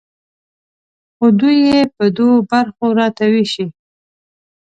خو دوی یې په دوو برخو راته ویشي.